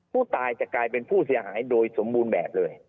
ผู้ตายจะกลายเป็นผู้เสียหายโดยสมบูรณ์แบบเลย